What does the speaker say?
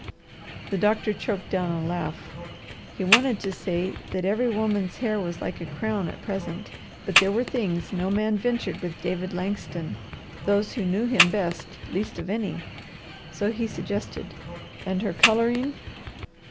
The doctor choked down a laugh. He wanted to say that every woman's hair was like a crown at present, but there were things no man ventured with David Langston; those who knew him best, least of any. So he suggested, "And her colouring?"